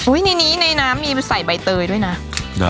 ในนี้ในน้ำมีไปใส่ใบเตยด้วยนะ